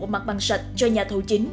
mặt bằng sạch cho nhà thầu chính